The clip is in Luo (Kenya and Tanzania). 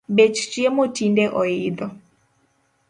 Bech chiemo tinde oidho